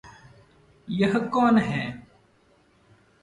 यह कौन?